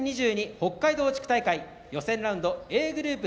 北海道地区大会」予選ラウンドＡグループ